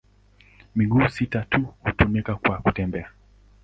Miguu sita tu hutumika kwa kutembea.